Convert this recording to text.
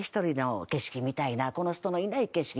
この人のいない景色